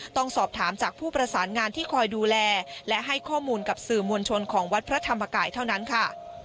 ต้องสอบถามจากผู้ประสานงานที่คอยดูแลและให้ข้อมูลกับสื่อมวลชนของวัดพระธรรมกายเท่านั้นค่ะ